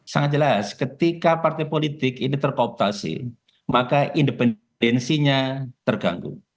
sangat jelas ketika partai politik ini terkooptasi maka independensinya terganggu